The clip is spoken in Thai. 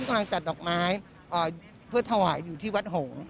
กำลังจัดดอกไม้เพื่อถวายอยู่ที่วัดหงษ์